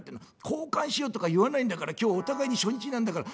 交換しようとか言わないんだから今日お互いに初日なんだから見るだけ」。